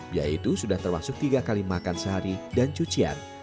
biaya itu sudah termasuk tiga kali makan sehari dan cucian